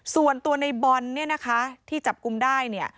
ส่วนตัวในบอลที่จับกลุ้มได้